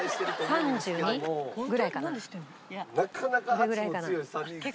どれぐらいかな？